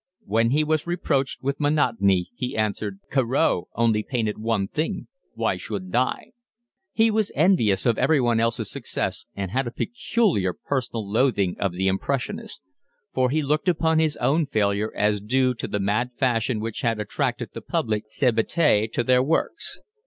When he was reproached with monotony, he answered: "Corot only painted one thing. Why shouldn't I?" He was envious of everyone else's success, and had a peculiar, personal loathing of the impressionists; for he looked upon his own failure as due to the mad fashion which had attracted the public, sale bete, to their works.